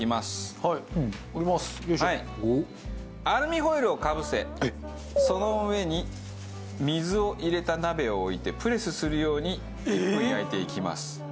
アルミホイルをかぶせその上に水を入れた鍋を置いてプレスするように１分焼いていきます。